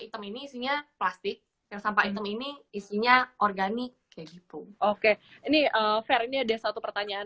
hitam ini isinya plastik yang sampah hitam ini isinya organik kayak gitu oke ini fair ini ada satu pertanyaan